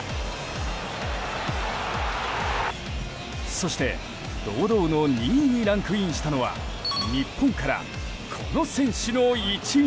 そして堂々の２位にランクインしたのは日本から、この選手の一撃。